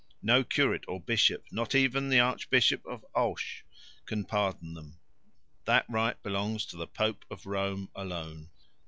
No curate or bishop, not even the archbishop of Auch, can pardon them; that right belongs to the pope of Rome alone.